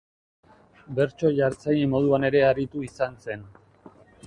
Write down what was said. Bertso-jartzaile moduan ere aritu izan zen.